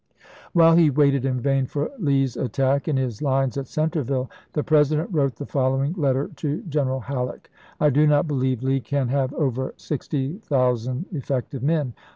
^Rapidan?^ While he waited in vain for Lee's attack in his octaefisea. lines at Centreville, the President wrote the follow ing letter to General Halleck: "I do not believe Lee can have over sixty thousand effective men.